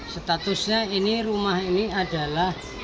statusnya ini rumah ini adalah